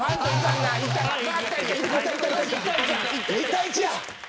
１対１や。